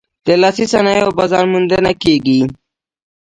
د لاسي صنایعو بازار موندنه کیږي؟